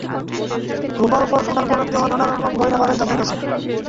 রুপার ওপর সোনার প্রলেপ দেওয়া নানা রকম গয়না পাবেন তাদের কাছে।